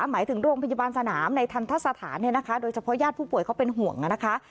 หมายถึงโรงพยาบาลสนามในทันทะสถานโดยเฉพาะญาติผู้ป่วยเขาเป็นห่วงนะคะ